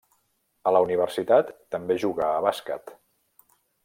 A la Universitat també jugà a bàsquet.